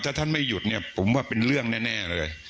ถ้าท่านไม่หยุดเนี่ยผมว่าเป็นเรื่องแน่เลย